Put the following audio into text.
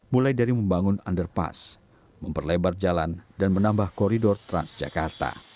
mulai dari membangun underpass memperlebar jalan dan menambah koridor transjakarta